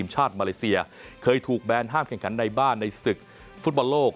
ชาติมาเลเซียเคยถูกแบนห้ามแข่งขันในบ้านในศึกฟุตบอลโลก